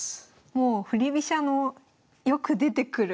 もう振り飛車のよく出てくる。